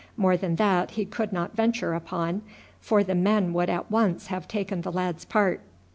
More than that he could not venture upon, for the men would at once have taken the lad's part.